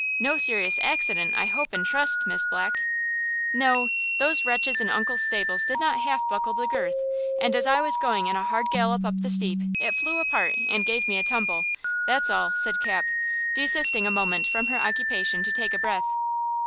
No serious accident, I hope and trust, Miss Black?" "No; those wretches in uncle's stables did not half buckle the girth, and, as I was going in a hard gallop up the steep, it flew apart and gave me a tumble; that's all," said Cap, desisting a moment from her occupation to take a breath.